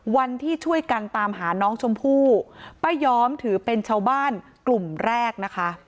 วันที่ช่วยกันตามหาน้องชมพู่ป้าย้อมถือเป็นชาวบ้านกลุ่มแรกนะคะ